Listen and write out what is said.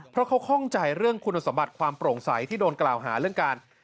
เพราะเขาข้องใจเรื่องคุณสมบัติความโปร่งใสที่โดนกล่าวหาเรื่องการ